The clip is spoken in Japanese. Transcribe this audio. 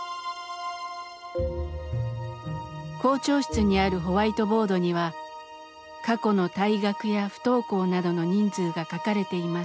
校長室にあるホワイトボードには過去の退学や不登校などの人数が書かれています。